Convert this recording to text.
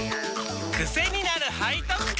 クセになる背徳感！